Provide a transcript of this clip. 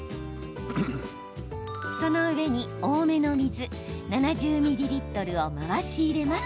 その上に多めの水７０ミリリットルを回し入れます。